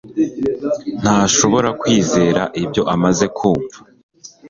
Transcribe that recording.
ntashobora kwizera ibyo amaze kumva